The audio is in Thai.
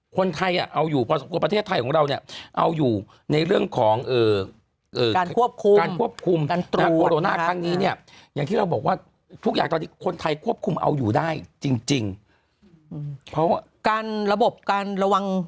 การคัดแยกการคัดกลอง